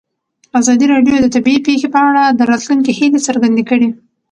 ازادي راډیو د طبیعي پېښې په اړه د راتلونکي هیلې څرګندې کړې.